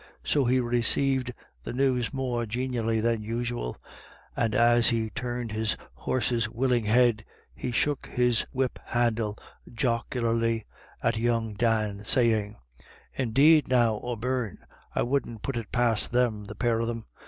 So he received the news more genially than usual, and as he turned his horse's willing head, he shook his whip handle jocularly at young Dan, saying: <v* BETWEEN TWO LADY DAYS. 207 " Indeed now, O'Beirne, I wouldn't put it past them, the pair of them.